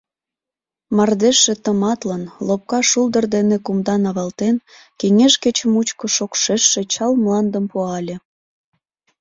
Мардежше тыматлын, Лопка шулдыр дене кумдан авалтен, Кеҥеж кече мучко шокшештше чал мландым Пуале…